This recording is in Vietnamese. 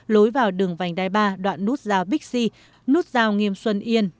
lối vào đường vành đai ba đoạn nút giao vixi nút giao nghiêm xuân yên